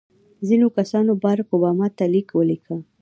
ځینو کسانو بارک اوباما ته لیک ولیکه.